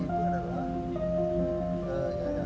oh allah di cek aja